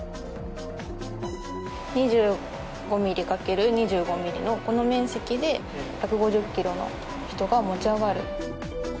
２５ｍｍかける２５ｍｍのこの面積で１５０ｋｇの人が持ち上がる。